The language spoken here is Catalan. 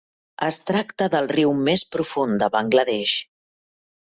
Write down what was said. Es tracta del riu més profund de Bangladesh.